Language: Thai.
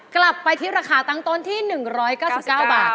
กลับไปที่ราคาตั้งต้นที่๑๙๙บาท